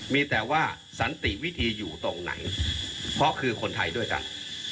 มีแต่ว่าสันติวิธีอยู่ตรงไหนเพราะคือคนไทยด้วยกัน